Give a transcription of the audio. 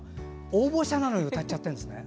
応募した側なのに歌っちゃってるんですね。